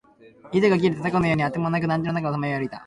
糸が切れた凧のようにあてもなく、団地の中をさまよい歩いた